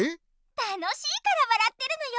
楽しいから笑ってるのよ。